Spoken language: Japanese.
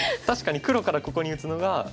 確かに黒からここに打つのが。